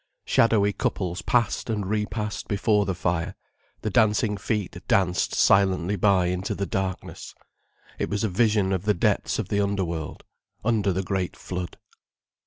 Shadowy couples passed and repassed before the fire, the dancing feet danced silently by into the darkness. It was a vision of the depths of the underworld, under the great flood.